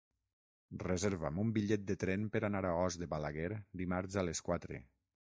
Reserva'm un bitllet de tren per anar a Os de Balaguer dimarts a les quatre.